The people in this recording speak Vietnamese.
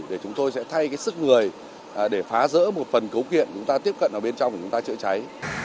để chúng tôi sẽ thay cái sức người để phá rỡ một phần cấu kiện chúng ta tiếp cận ở bên trong của chúng ta chữa cháy